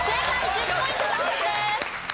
１０ポイント獲得です。